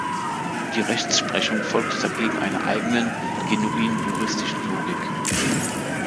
Die Rechtsprechung folgt dagegen einer eigenen, genuin juristischen Logik.